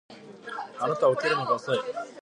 あなたは起きるのが遅い